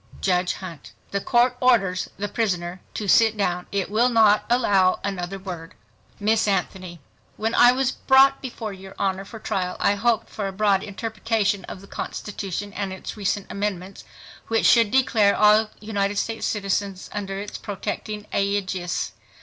JUDGE Hunt—The Court orders the prisoner to sit down. It will not allow another word. Miss ANTHONY—When I was brought before your Honor for trial I hoped for a broad interpretation of the constitution and its recent amendments, which should declare all United States citizens under its protecting aegis